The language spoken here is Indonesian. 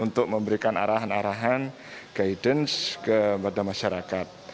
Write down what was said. untuk memberikan arahan arahan guidance kepada masyarakat